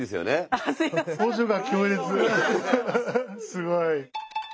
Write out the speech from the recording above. すごい。